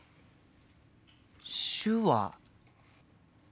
手話。